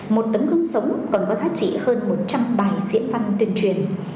một tấm hướng sống còn có giá trị hơn một trăm linh bài diễn văn tuyển truyền